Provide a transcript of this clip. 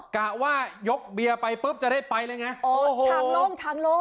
กะว่ายกเบียร์ไปปุ๊บจะได้ไปเลยไงอ๋อทางโล่งทางโล่ง